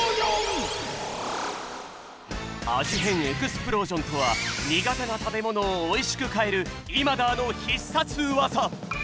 変エクスプロージョンとは苦手な食べものをおいしく変えるイマダーの必殺技。